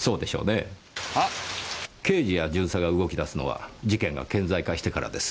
刑事や巡査が動き出すのは事件が顕在化してからです。